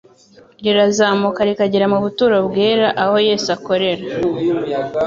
rirazamuka rikagera mu buturo bwera aho Yesu akorera,